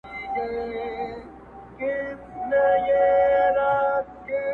قلندر پر کرامت باندي پښېمان سو-